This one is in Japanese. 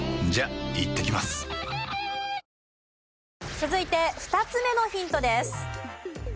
続いて２つ目のヒントです。